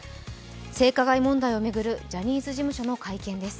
性加害問題を巡るジャニーズ事務所の会見です